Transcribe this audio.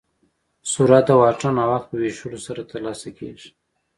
سرعت د واټن او وخت په ویشلو سره ترلاسه کېږي.